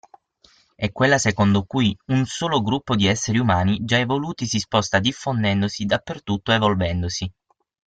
È quella secondo cui un solo gruppo di esseri umani già evoluti si sposta diffondendosi dappertutto evolvendosi.